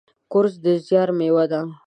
کورس د زیار میوه ده.